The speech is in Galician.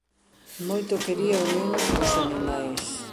Moito quería o neno os animais.